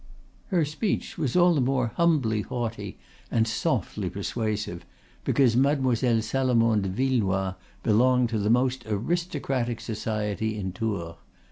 Her speech was all the more humbly haughty and softly persuasive because Mademoiselle Salomon de Villenoix belonged to the most aristocratic society in Tours.